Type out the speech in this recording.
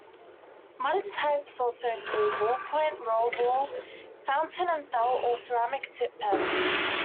Modern types also include ballpoint, rollerball, fountain and felt or ceramic tip pens.